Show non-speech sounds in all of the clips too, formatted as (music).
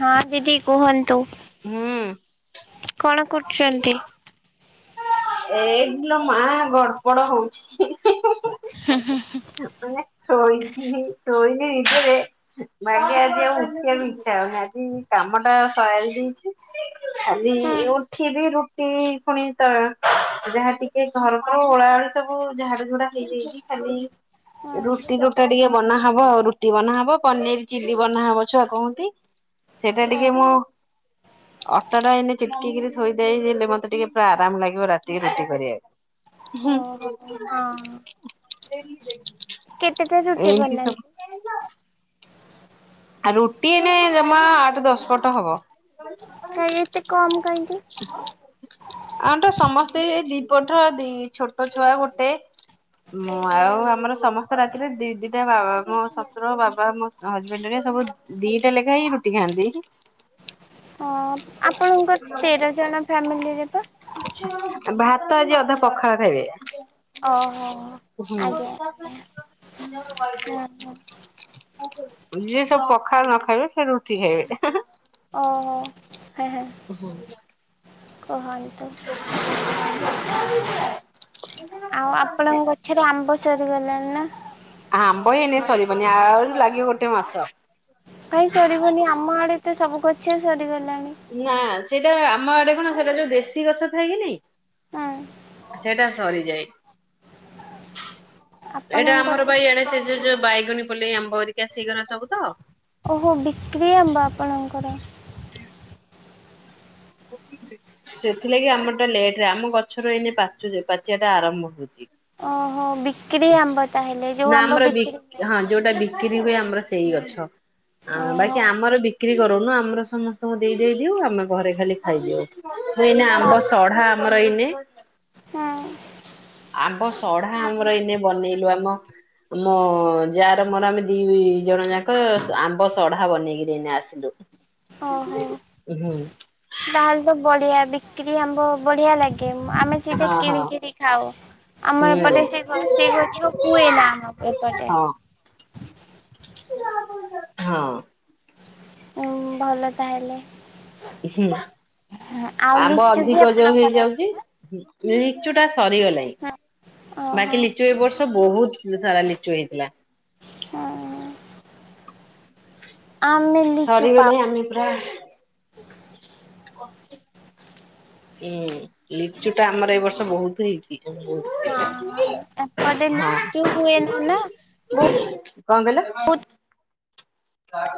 ହଁ ଦିଦି କୁହ ତ ହୁଁ। କଣ କରୁଚନ୍ତି? ଏଇଠିଲୋ ମା ଗଡ଼ପଡ ହଉଛି। ହେଁ ହେଁ। ନେ ଶୋଇଛି ଶୋଇଲେ ଭିତରେ ବାକି ଆଜି ଆଉ ଉଠିଆକୁ ଇ ଛ ଆଜି କାମ ଟା ସାରି ଦେଇଛି, ଖାଲି ଉଠିବି ରୁଟି ପୁଣି ତ ଯାହା ଟିକେ ଘର ଓଳାଓଳି ସବୁ ଝାଡୁଝୁଡା ହେଇଯାଇଛି ଖାଲି ରୁଟି ଗୋଟା ଟିକେ ବନାହବ ଆଉ ରୁଟି ବନାହବ ପନିର ଚିଲ୍ ବନାହବ ଛୁଆ କହନ୍ତି, ସେଇଟା ଟିକେ ଓହୋ ମୁଁ ଅଟା ଟା ଏଇନେ ଚିଟକ ଥୋଇ ଦେଲେ ମତେ ଟିକେ ପୁରା ଆରାମ ଲାଗିବ ରାତିରେ ରୁଟି କରିବାକୁ। ହଁ (unintelligible) କେତେଟା ରୁଟି ଏମିତି ସବୁ ବନାନ୍ତି? ରୁଟି ଏଇନେ ଜମା ଆଠ ଦଶ ପଟ ହବ। କାଇ ଏତେ କମ୍ କାହିଁକି? ଆମ ତ ସମସ୍ତେ ଦି ପଟ ଦି ଛୋଟ ଛୁଆ ଗୋଟେ ଆଉ ଆମର ସମସ୍ତେ ରାତିରେ ଦି ଦିଟା ବା ମୋ ଶଶୁର ବାବା ମୋ ହଜବେଣ୍ଡ ହେରି ସବୁ ଦିଟା ଲେଖାଏ ହିଁ ରୁଟି ଖାଆନ୍ତି। ଆପଣଙ୍କ ତେର ଜଣ ଫ୍ୟାମିଲିରେ ଵା? ତ ଆଜି ଅଧା ପଖାଳ ଖଇବେ। ଓହୋ। ହୁଁ। (unintelligible) ଆଜ୍ଞା ଆଜ୍ଞା ହୁଁ ହୁଁ ତ ପଖାଳ ନ ଖାଇବେ ସେ ରୁଟି ଖାଇବେ। ଓହୋ। ହୁଁ। ଓହ। ଆଉ ଆପଣଙ୍କ ଗଛରେ ଆମ୍ବ ସରିଗଲାଣି ନା। ଆମ୍ବ ଏଇନେ ସରିବନି ଆହୁରି ଲାଗିବ ଗୋଟେ ମାସ। କାଇଁ ସରିବନି ଆମ ଆଡେ ତ ସବୁ ଛ ସରିଗଲା ନା ସେଇଟା ଆମ ଆଡେ କଣ ସେଟା ଯୋଉ ଦେଶୀ ଗଛ ଥାଏ କି ନାଇ ହଁ ସେଟା ସରିଯାଏ। ଏଇଟା ଆପଣଙ୍କର ଆମର ବା ଏଣେ ସେ ଯଉ ଯୋଉ ବାଇଗଣୀ ପଲେଇ ଆମ୍ବ ହେରିକା ସେଇଗୁରା ସବୁ ତ। ଓହୋ ବିକ୍ରି ଆମ୍ବ ଆପଣଙ୍କର। ସେଥିଲାଗି ଆମରଟା ଲେଟ ରେ ଆମ ଗଛରୁ ଏଇନେ ପଚୁଛି ପାଚିବା ଟା ଆରମ୍ଭ ହଉଛି। ଓହୋ ବି କ୍ରି ଆମ୍ବ ତାହେଲେ ଯୋଉଁ ଆମ୍ବ ବିକ୍ରି ହୁଏ। ବିକିରୀ ହୁଏ ଆମର ସେଇ ଗଛ। ଆଁ ବାକି ଓହୋ ଆମର ବି ବିକ୍ରି କରୁନୁ ଆମର ସମସ୍ତଙ୍କୁ ଦେଇଦେଇଦିଅଉ ଆମେ ଘରେ ଖାଲି ଖାଇଦିଅଉ। ଏଇନା ଆମ୍ବ ବାପରେ ସଢା ଆମର ଏଇନେ ହୁଁ ଆମ୍ୱ ଚଢା ହଁ ଆମର ଏଇନେ ବନେଇ ଆମ ଆମ ଯା ର ମୋର ଆମେ ଦି ଜଣ ଯାକ ଆମ୍ବ ସଢା ବନେଇକିରି ଏଇନେ ଆସିଲୁ। ଓହୋ ହୁଁ ତାହେଲେ ତ ବଢିଆ ବିକ୍ରି ଆମ୍ୱ ବଢିଆ ଲାଗେ। ଆମେ ସେଇଟା ହଁ ହଁ। କିଣିକିରି ଖାଉ ଆମ ହଁ ଏପଟେ ସେ ସେଇ ଗଛ ହୁଏ ନା ଆମ ଏପଟେ। ହଁ। ଉଁ ଭଲ ତାହଲେ। ହୁଁ ଆମ୍ବ ଲିଚୁ ବି ଅଧିକ ଯୋଉ ଆପଣଙ୍କର ଅଛି ହେଇଯାଉଛି ନା? (unintelligible) ଲିଚୁ ଟା ସରିଗଲାଇଁ ହଁ ଓହୋ ବାକି ଲିଚୁ ଏ ବର୍ଷ ତ ବହୁତ ସାରା ଲିଚୁ ହେଇଥିଲା। ହଁ ହଁ। ଆମେ ଲିଚୁ ପାଉ। ସରିଗଲାଇଁ ଆମେ ପୁରା ହୁଁ ଲିଚୁ ଟା ଆମର ଏଇ ବର୍ଷ ବହୁତ ହେଇଛି। ବହୁତ ହଁ ଏପଟେ ହଁ ଲିଚୁ ହୁଏ ନା ନା ବହୁ କଣ କହିଲ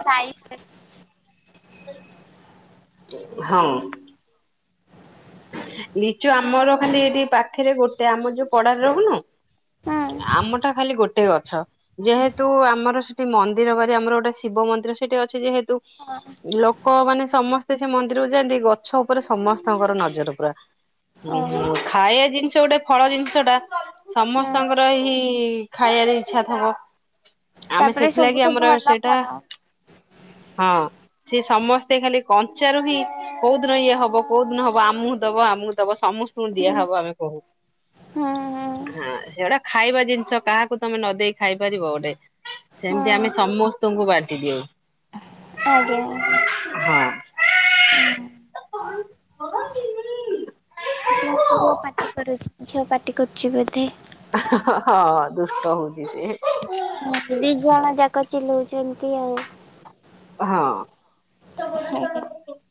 ପ୍ରାଇସ୍ ହଁ। ଲିଚୁ ଆମର ଖାଲି ଏଠି ପାଖରେ ଗୋଟେ ଆମର ଯୋଉ ପଡାରେ ରହୁନୁ ହୁଁ। ଆମଟା ଖାଲି ଗୋଟେ ଗଛ। ଯେହେତୁ ଆମର ସେଠି ମନ୍ଦିର ବାରି ଆମର ଗୋଟେ ଶିବ ମନ୍ଦିର ସେଠି ଅଛି ଯେହେତୁ ହଁ ଲୋକ ମାନେ ସମସ୍ତେ ସେ ମନ୍ଦିରକୁ ଯାନ୍ତି ଗଛ ଉପରେ ସମସ୍ତଙ୍କର ନଜର। ନଜର ପୁରା। ହୁଁ ଓହୋ ହୁଁ ଖାଇଆ ଜିନିଷ ସେ ଗୋଟେ ଫଳ ଜିନିଷ ଟା ହୁଁ ସମସ୍ତଙ୍କର ହିଁ ଖାଇବାରେ ଇଚ୍ଛା ଥବ। ଆମେ ତାପରେ ସେଥିଲାଗି ସବୁଠୁ ଆମର ଭଲ ସେଇଟା ଫଳ। ହଁ ସେ ସମସ୍ତେ ଖାଲି କଞ୍ଚାରୁ ହିଁ କୋଉ ଦିନ ଇଏ ହବ କୋଉ ଦିନ ହବ। ଆମକୁ ଦବ ଆମକୁ ଦବ ସମସ୍ତଙ୍କୁ ହୁଁ ଦିଆହବ ଆମେ କହୁ। ହୁଁ ହୁଁ ହୁଁ ହଁ ସେଗୁଡ଼ା ଖାଇବା ଜିନିଷ କାହାକୁ ତମେ ନ ଦେଇ ଖାଇ ପାରିବ ଗୋଟେ। ସେମିତି ଆମେ ହୁଁ ସମସ୍ତଙ୍କୁ ବା ଦିଅଉ। ଆଜ୍ଞା। ହୁଁ। (unintelligible) ଆପଣ ପୁଅ ପାଟି କରୁଛି ଝିଅ ପାଟି କରୁଛି ବୋଧେ। ହଁ ଦୁଷ୍ଟ ହଉଛି ସିଏ। ହୁଁ ଦି ଜଣ ଯାକ ଚିଲଉ ଛନ୍ତି ଆଉ। ହଁ।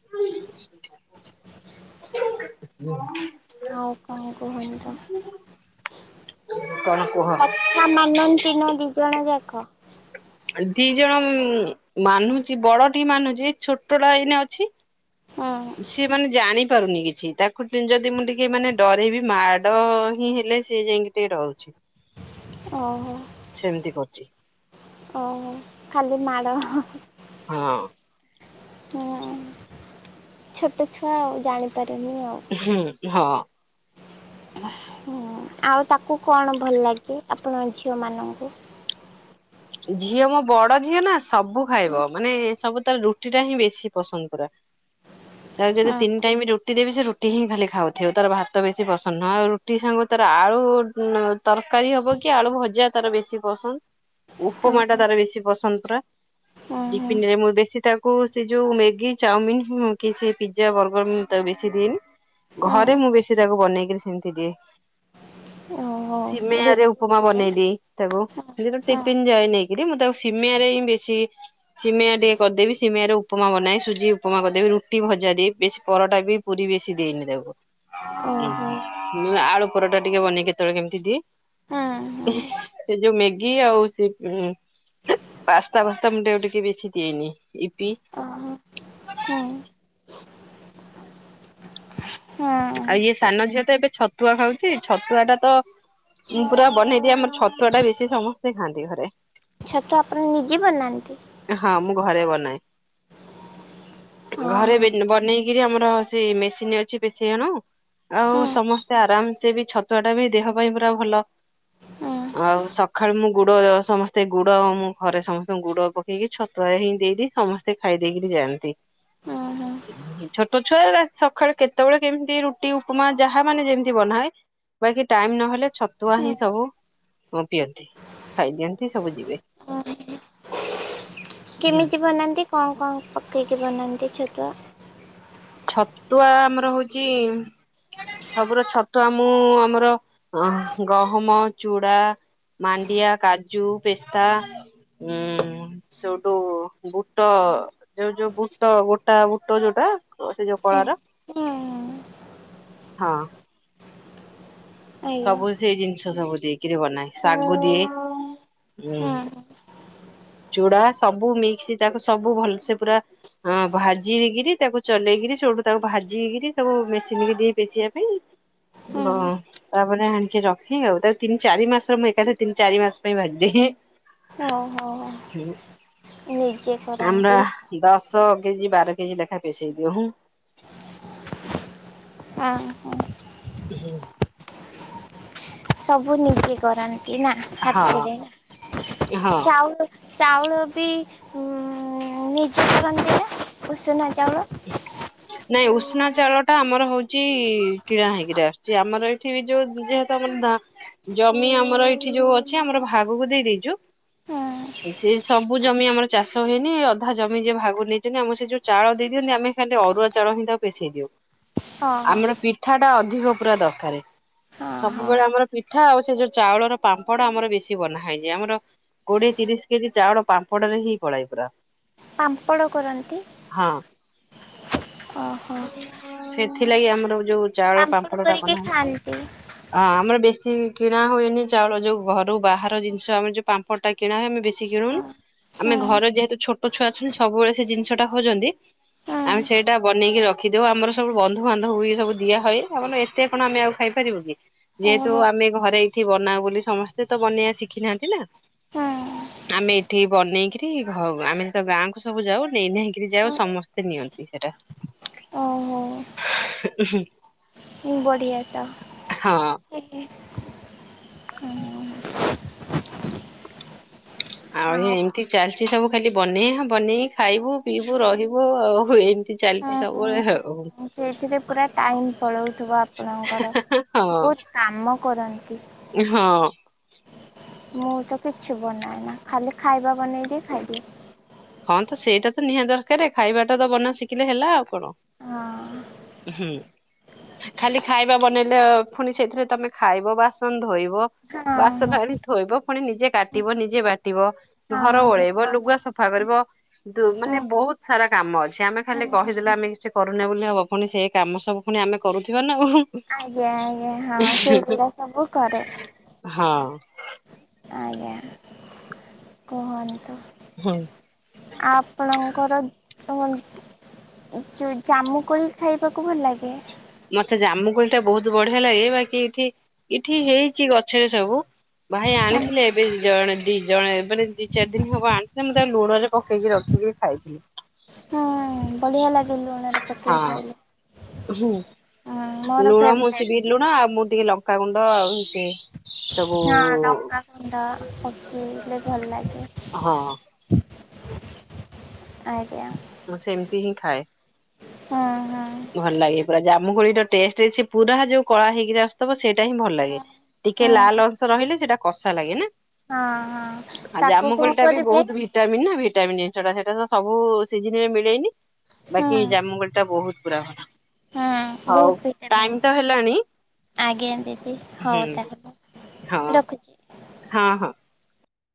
ହୁଁ। ଆଉ କଣ କୁହନ୍ତୁ। କଣ କୁହ? କଥା ମାନନ୍ତି ନା ଦି ଜଣ ଯାକ? ଦି ଜଣ ମାନୁଛି ବଡଟିି ମାନୁଛି ଛୋଟଟା ଏଇନେ ଅଛି ହୁଁ ସିଏ ମାନେ ଜାଣିପାରୁନି କିଛି ତାକୁ ଯଦି ମୁଁ ଟିକେ ମାନେ ଡରେଇବି ମାଡ ହିଁ ହେଲେ ସେ ଯାଇକି ଟିକେ ଡରୁଛି। ଓହୋ। ସେମିତି କରୁଛି। ଖାଲି ମାଡ଼। ହଁ ହୁଁ ଛୋଟ ଛୁଆ ଆଉ ଜାଣି ହୁଁ ହଁ। ହୁଁ ଆଉ ତାକୁ କଣ ଭଲ ଲାଗେ ଆପଣ ଝିଅ ମାନଙ୍କୁ? ଝିଅ ମୋ ବଡ ଝିଅ ନା ସବୁ ଖାଇବ ମାନେ ସବୁ ତାର ରୁଟି ଟା ହିଁ ବେଶୀ ପସନ୍ଦ ପୁରା ତାର ଯଦି ଛତୁ ତିନି ଟାଇମ ରୁଟି ଦେବି ସେ ରୁଟି ହିଁ ଖାଲି ଖାଉଥିବ ତାର ଭାତ ବେଶୀ ପସନ୍ଦ ନୁହଁ ଆଉ ରୁଟି ସାଙ୍ଗ ତାର ଆଳୁ ତରକାରୀ ହବ କି ଆଳୁ ଭଜା ତାର ବେଶୀ ପସନ୍ଦ। ଉପମା ଟା ତାର ବେଶୀ ପସନ୍ଦ ପୁରା ଡିପିନରେ ମୁଁ ବେଶୀ ତାକୁ ସେ ଯୋଉ ମ୍ୟାଗି ଚାଉମିିନ କି ସେ ପିଜଜା ବର୍ଗର ତା ବେଶୀ ଦଏନି ଘରେ ମୁଁ ବେଶୀ ତାକୁ ବନେଇକିରି ସେମିତି ଦିଏ। ସିମେଇରେ ଉପମା ବନେଇ ଦେଏଇ ତାକୁ ଯାଏ ନେଇକିରି ମୁଁ ତାକୁ ସିମିଆରେ ହିଁ ବେଶୀ ସିମିଆ ଟିକେ କରିଦେବି ସିମିଆରେ ଉପମା ବନାଏ ସୁଜି ଉପମା କରିଦେବି ରୁଟି ଭଜା ଦେଇି ବେଶୀ ପରଟା ବି ପୁରୀ ବେଶୀ ଦେଇନି ତାକୁ। ଉଁ ହୁଁ। ଆଳୁ ପରଟା ଟିକେ ବନେଇ କେତେବେଳେ କେମିତି ଦିଏ ସେ ଯୋଉ ମ୍ୟାଗି ଆଉ ସେ ପାସ୍ତା ଫାସ୍ତା ମୁଁ ଟିକେ ବେଶି ଦିଏନି ଇପି ଆଉ ଇଏ ସାନ ଝିଅ ତ ଏବେ ଛତୁଆ ଖାଉଛି ଛତୁଆ ଟା ତ ପୁରା ବନେଇଦିଏ ଆମର ଛତୁଆ ଟା ବେଶି ସମସ୍ତେ ଖାଆନ୍ତି ଘରେ। ଛତୁ ଆପଣ ନିଜେ ବନାନ୍ତି? ହଁ ମୁଁ ଘରେ ବନାଏ। ହଁ ଘରେ ହଁ ବନେଇକି ରି ଆମର ସେ ମେସିନ୍ ଅଛି ପେ ସେ ଜଣ ଆଉ ହୁଁ ସମସ୍ତେ ଆରାମସେ ବି ଛତୁଆ ଟା ବି ଦେହ ପାଇଁ ପୁରା ଭଲ ହୁଁ ଆଉ ସକାଳୁ ମୁଁ ଗୁଡ ସମସ୍ତେ ଗୁଡ ଆଉ ମୁଁ ଘରେ ସମସ୍ତଙ୍କୁ ଗୁଡ ପକେଇକି ଛତୁଆ ହିଁ ଦେଇଦିଏ ସମସ୍ତେ ଖାଇ ଦେଇେଇକରି ଯାଆନ୍ତି ହୁଁ ହୁଁ ଛୋଟ ଛୁଆ ସକାଳୁ କେତେ କେତେବେଳେ କେମିତି ରୁଟି ଉପମା ଯାହା ମାନେ ଯେମିତି ବନାଏ ବାକି ଟାଇମ ନହେଲେ ଛତୁଆ ହୁଁ ହୁଁ। ହିଁ ସବୁ ପିଅନ୍ତି ଖାଇଦିଅନ୍ତି ସବୁ ଯିବେ। ହୁଁ କେମିତି ବନାନ୍ତି? କଣ କଣ ପକେଇକି ବନାନ୍ତି ଛତୁଆ? ଛତୁଆ ଆମର ହଉଛି ସବୁର ଛତୁଆ ମୁଁ ଆମର ଗହମ ଚୁଡା ମାଣ୍ଡିଆ କାଜୁ ପେସ୍ତା ଉ ସେଉଠୁ ବୁଟ ଯୋଉ ଯୋଉ ବୁଟ ଗୋଟା ବୁଟ ଯୋଉଟା ତ ସେ ଯୋଉ ହୁଁ କଳାର ହୁଁ ହଁ। ଆଜ୍ଞା ସବୁ ସେଇ ଜିନିଷ ସବୁ ଦେଇକିରି ବନାଏ ଶାଗୁ ଦିଏ ହୁଁ। ଚୂଡା ସବୁ ମିକ୍ସ ତାକୁ ସବୁ ଭଲସେ ପୁରା ଭାଜିିକିରି ତାକୁ ଚଲେଇକିରି ସେଠୁ ତାକୁ ଭାଜିିକିରି ସବୁ ମେସିନ୍ ଦିଏ ପେଶିବା ପାଇଁ। ହୁଁ। (unintelligible) ତାପରେ ଆଣିକି ରଖେ ଆଉ ତା ତିନି ଚାରି ମାସର ମୁଁ ଏକାଥା ତିନି ଚାରି ମାସ ପାଇଁ ଭାଜିଦିଏ। ଓ ହୋ। ହୁଁ ଆମ ନା ଦଶ କେଜି ବାର କେଜି ଲେଖା ପସେଇଇ ଦିଅ ଉଁ। ଅ ହୋ। ହୁଁ। ସବୁ ନିଜେ କରନ୍ତି। ତିନା ହଁ ହାତେରେ ହଁ। ଚାଉ ଚାଉଳ ବି ନିଜେ କରନ୍ତି ନା ଉଷୁନା ଚାଉଳ। ନାଇଁ ଉସୁନା ଚାଉଳ ଟା ଆମର ହଉଛି କିଣା ହେଇକିରି ଆସୁଛି ଆମର ଏଇଠି ବି ଯୋଉ ଯେହେତୁ ଆମର ଜମି ଆମର ଏଇଠି ଯୋଉ ଅଛି ଆମର ଭାଗକୁ ଦେଇ ଦେଇଛୁ ହୁଁ ସେ ସବୁ ଜମି ଆମର ଚାଷ ହେଇନି ଅଧା ଜମି ଜିଏ ଭାଗ ନେଇଛନ୍ତି ଆମ ସେ ଯୋଉ ଚାଉଳ ଦେଇ ଦିଅନ୍ତି ଆମେ ଖାଲି ଅରୁଆ ଚଉଳ ହିଁ ତାକୁ ପସେଇ ଦିଅଉ। ହଁ ହଁ ଆମର ପିଠା ଟା ଅଧିକ ଅଧିକ ପୁରା ଦରକାର ହଁ ହଁ। ସବୁବେଳେ ଆମର ପିଠା ଆଉ ସେ ଯୋଉ ଚାଉଳର ପାମ୍ପଡ ଆମର ବେଶୀ ବନାହଇଛି ଆମର କୋଡିଏ ତିରିଶ କେଜି ଚାଉଳ ପାମ୍ପଡ ରେ ହିଁ ପଳାଏ ପୁରା। ପାମ୍ପଡ଼ କରନ୍ତି। ଓହୋ ସେଥି ଥି ଲାଗି ଆମର ଯୋଉ ଚାଉଳ ପାମ୍ପଡ଼ ପାମ୍ଫଳ ଟା କରିକି ବନାଏ ଖାଆନ୍ତି। ଅଁ ଆମର ବେଶୀ କିଣା ହୁଏନି ଚାଉଳ ଯୋଉ ଘରୁ ବାହାର ଜିନିଷ ଆମେ ଯୋଉ ପାମ୍ପଡ଼ ଟା କିଣା ହୁଏ ଆମେ ବେଶୀ ହଁ କିଣଉନୁ ହୁଁ ଆମେ ଘର ଯେହେତୁ ଛୋଟ ଛୁଆ ଅଛନ୍ତି ସବୁବେଳେ ସେ ଜିନିଟା ଖୋଜନ୍ତି ହୁଁ ଆମେ ସେଇଟା ବନେଇକି ରଖିଦଉ ଆମର ସବୁ ବନ୍ଧୁବାନ୍ଧବ ସବୁ ଦିଆ ହଏ ଆମର ଏତେ କଣ ଆମେ ଆଉ ଖାଇପାରିବୁ କି ଯେହେତୁ ଓହୋ ଆମେ ଘରେ ଏଇଠି ବନାଉ ବୋଲି ସମସ୍ତେ ତ ବନେଇବା ଶିଖି ନାହାନ୍ତି ନା ହୁଁ। ଆମେ ଏଇଠି ବନେଇକିରି ଆମେ ତ ଗାଁକୁ ସବୁ ଯାଉ ନେଇ ନେଇକରି ଯାଉ ସମସ୍ତେ ନିଅନ୍ତି ସେଟା। ଓହୋ ବଢ଼ିଆ ତ। ହଁ। ହୁଁ। ଆଉ ଏମିତି ଚାଲି ଅଛି ସବୁ ଖାଲି ବନେଆ ବନେଇ ଖାଇବୁ ପିଇବୁ ରହିବୁ ଆଉ ଏମିତି ଚାଲିଛି ସବୁବେଳେ ଆଉ। ହୁଁ ସେଇଥିରେ ପୁରା ଟାଇମ୍ ପଳଉଥିବ ଆପଣଙ୍କର ହଁ ବହୁତ କାମ କରନ୍ତି। ହଁ। ମୁଁ ତ କିଛି ବନାଏ ନା ଖାଲି ଖାଇବା ବନେଇଦିଏ ଖାଇଦିଏ। ହଁ ତ ସେଇଟା ତ ନିହାତି ଦରକାର ଖାଇବାଟା ତ ବନା ଶିଖିଲେ ହେଲା ଆଉ କଣ ହଁ ହୁଁ ଖାଲି ଖାଇବା ବନେଇଲେ ପୁଣି ସେଇଥିରେ ତମେ ଖାଇବ ବାସନ ଧୋଇବ ହଁ ବାସନ ହଁ ଆଣି ଥୋଇବ ପୁଣି ନିଜେ କାଟିବ ନିଜେ ବାଟିବ ଘର ଓଳେଇବ ହଁ ଲୁଗା ସ ସଫା କରିବ ହଁ। ମାନେ ବହୁତ ସାରା କାମ ଅଛି ଆମେ ଖାଲି କହିଦେଲେ ଆମେ କିଛି କରୁନେ ବୋଲି ହବ ପୁଣି ସେ କାମ ସବୁ ପୁଣି ଆମେ କରୁଥିବା ନାଉ ଆଜ୍ଞା ଆଜ୍ଞା ହଁ ସେଇଗୁଡା ସବୁ କରେ। ଆଉ ଆଜ୍ଞା। କୁହନି। ହଁ। ଆପଣଙ୍କର ତ ଜାମୁ କୋଳି ଖାଇବାକୁ ଭଲ ଲାଗେ? ମତେ ଜାମୁକୋଳି ଟା ବହୁତ ବଢିଆ ଲାଗେ ବାକି ଏଠି ଏଇଠି ହେଇଛି ଗଛରେ ସବୁ ଭାଇ ଆଣିଥିଲେ ଏବେ ଦି ଜଣେ ଦି ଜଣ ଏବେ ଦି ଚାରି ଦିନ ହବ ଆଣିଥିଲେ ମୁଁ ତା ଲୁଣରେ ପକେଇକି ରଖିକି ଖାଇଥିଲି। ହୁଁ ବଢିଆ ଲାଗେ। ଲୁଣରେ ହଁ ପକେଇ ଖାଇଲେ। ହଁ ମୋର ଲୁଣ ମୁ ଫେବରେଟ୍ ଶିବ ଲୁଣ ଆଉ ମୁଁ ଟିକେ ଲଗ କ କୁଣ୍ଡ ଆଉଛି। ହଁ ଲାଉଙ୍କ କଣ୍ଡା କିଣିଲେ ଭଲ ଲାଗେ। ହଁ ଆଜ୍ଞା ମୁଁ ସେମିତି ହିଁ ଥାଏ। ହଁ ହଁ ଭଲ ଲାଗେ ପୁରା ଜାମୁ ଖୋଳି ଟ ଟେଷ୍ଟ ପୁରା ଯୋଉ କଳା ହେଇକି ଆସଥବ ସେଇ ସେଟା ହିଁ ଭଲ ଲାଗେ ହୁଁ ଟିକେ କେ ଲାଲ ଅଂଶ ରହିଲେ ସେଇଟା କଷା ଲାଗେ ନା ହଁ ହଁ ଆଉ ତାକୁ ଜାମୁକୋଳି କଣ ଟା ବି କରିବେ ବହୁତ ଭିଟାମିନ୍ ନା ଜିନିଷ ଟା ସେଇଟା ତ ସବୁ ସିଜିନରେ ମିଳେଇନି ବାକି ହୁଁ ଜାମୁଙ୍ଗଡି ଟା ବହୁତ ପୁରା ହେଲା। ହଁ ବହୁତ ଭିଟାମିନ୍ ଆଜ୍ଞା ଦିଦି ହୁଁ ହଉ ତାହେଲେ ହଁ ରଖୁଛି। ହଁ ହଁ